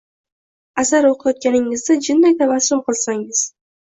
Asar o’qiyotganingizda jinday tabassum qilsangiz